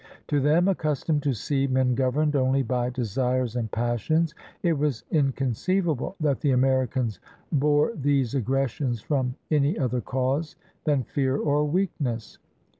To them, accustomed to see men governed only by desires and passions, it was in conceivable that the Americans bore these aggressions from any other cause than fear or weakness.